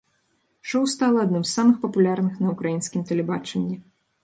Шоў стала адным з самых папулярных на ўкраінскім тэлебачанні.